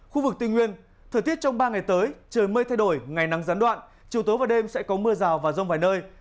khu vực tây nguyên thời tiết trong ba ngày tới trời mây thay đổi ngày nắng gián đoạn chiều tối và đêm sẽ có mưa rào và rông vài nơi